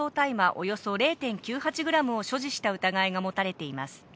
およそ０．９８グラムを所持した疑いが持たれています。